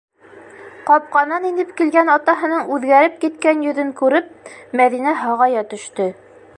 - Ҡапҡанан инеп килгән атаһының үҙгәреп киткән йөҙөн күреп, Мәҙинә һағая төштө: